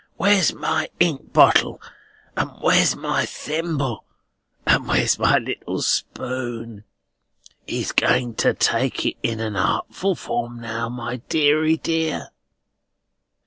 Where's my ink bottle, and where's my thimble, and where's my little spoon? He's going to take it in a artful form now, my deary dear!"